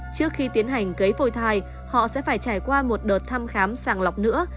trước khi tiến hành cấy phôi thai họ sẽ phải trải qua một đợt thăm khám sàng lọc nữa